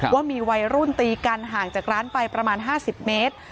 ว่ามีวัยรุ่นตีกันห่างจากร้านไปประมาณ๕๐เมตร